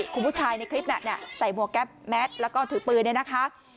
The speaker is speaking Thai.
คุณผู้ชายในคลิปนี้ใส่มัวแก๊บแมทแล้วก็ถือปืนนะคะ